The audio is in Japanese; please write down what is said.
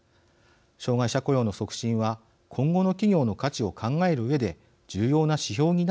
障害者雇用の促進は今後の企業の価値を考えるうえで重要な指標になってくるのではないでしょうか。